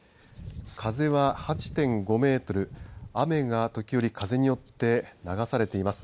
風は８．５メートル雨が時折、風によって流されています。